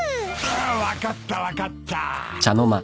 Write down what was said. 分かった分かった。